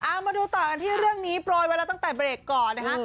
เอามาดูต่อกันที่เรื่องนี้โปรยไว้แล้วตั้งแต่เบรกก่อนนะคะ